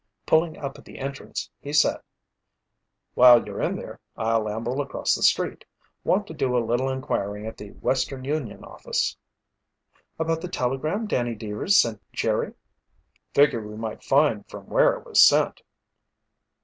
Pulling up at the entrance, he said: "While you're in there, I'll amble across the street. Want to do a little inquiring at the Western Union office." "About the telegram Danny Deevers sent Jerry?" "Figured we might find from where it was sent."